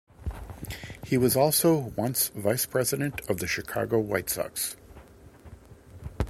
He was also once vice president of the Chicago White Sox.